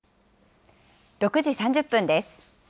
６時３０分です。